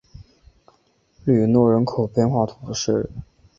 吕诺人口变化图示